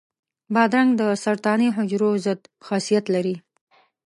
بادرنګ د سرطاني حجرو ضد خاصیت لري.